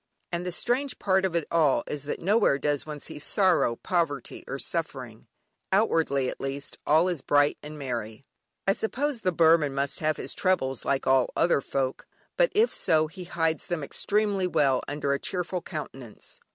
And the strange part of it all is that nowhere does one see sorrow, poverty, or suffering; outwardly at least, all is bright and happy. I suppose the Burman must have his troubles like other folk, but if so he hides them extremely well under a cheerful countenance.